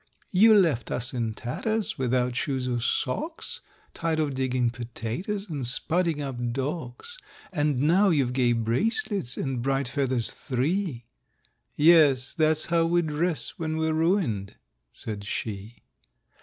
—"You left us in tatters, without shoes or socks, Tired of digging potatoes, and spudding up docks; And now you've gay bracelets and bright feathers three!"— "Yes: that's how we dress when we're ruined," said she.